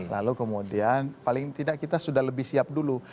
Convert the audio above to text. lalu kemudian paling tidak kita sudah lebih siap dulu